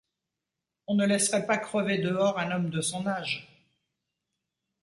On ne laisserait pas crever dehors un homme de son âge.